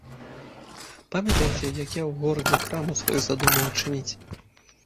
Памятаеце, як я ў горадзе краму сваю задумаў адчыніць?